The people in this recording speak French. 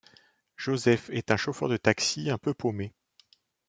Joseph est un chauffeur de taxi un peu paumé.